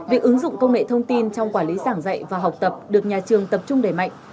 việc ứng dụng công nghệ thông tin trong quản lý giảng dạy và học tập được nhà trường tập trung đẩy mạnh